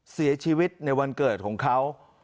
เสียชีวิตในวันเกิดของเขา